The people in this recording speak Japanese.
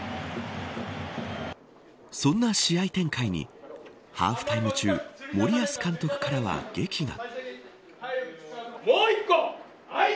そんな試合展開にハーフタイム中森保監督からはげきが。